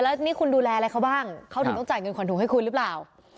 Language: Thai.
แล้วนี่คุณดูแลอะไรเขาบ้างเขาถึงต้องจ่ายเงินขวัญถุงให้คุณหรือเปล่า